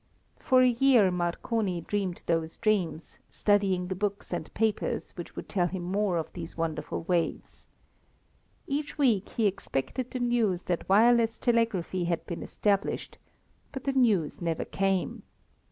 For a year Marconi dreamed those dreams, studying the books and papers which would tell him more of these wonderful waves. Each week he expected the news that wireless telegraphy had been established, but the news never came.